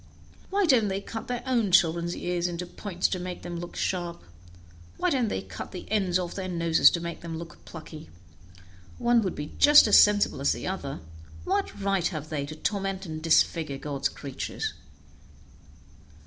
Why don't they cut their own children's ears into points to make them look sharp? Why don't they cut the end off their noses to make them look plucky? One would be just as sensible as the other. What right have they to torment and disfigure God's creatures?"